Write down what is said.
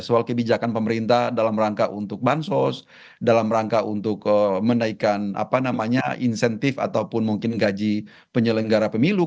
soal kebijakan pemerintah dalam rangka untuk bansos dalam rangka untuk menaikkan insentif ataupun mungkin gaji penyelenggara pemilu